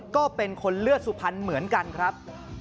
ก็เป็นคนเลือดสุพรรณเหมือนกันครับ